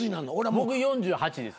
僕４８です。